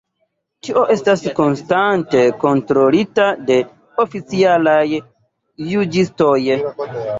Tio estas konstante kontrolita de oficialaj juĝistoj.